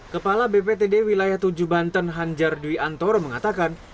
kepala bptd wilayah tujuh banten han jardwi antoro mengatakan